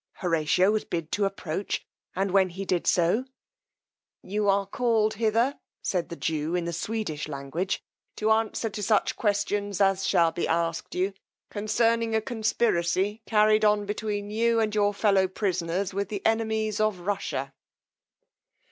Horatio was bid to approach, and when he did so, you are called hither, said the jew in the Swedish language, to answer to such questions as shall be asked you, concerning a conspiracy carried on between you and your fellow prisoners with the enemies of Russia.